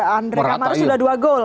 andrej kramaric sudah dua gol